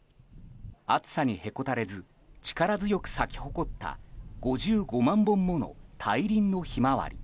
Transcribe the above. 暑さにへこたれず力強く咲き誇った５５万本もの大輪のヒマワリ。